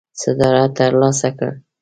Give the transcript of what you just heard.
صدارت ترلاسه کړ.